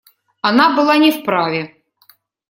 Она была не вправе.